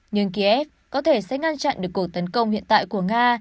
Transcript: nhưng kiev có thể sẽ ngăn chặn được cuộc tấn công hiện tại của nga